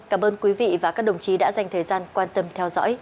cảm ơn quý vị và các đồng chí đã dành thời gian quan tâm theo dõi